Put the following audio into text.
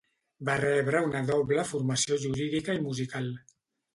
Va rebre una doble formació jurídica i musical.